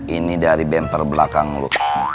ini dari bengkel belakang lo